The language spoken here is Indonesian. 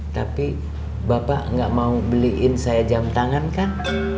tapi bapak nggak mau beliin saya jam tangan kan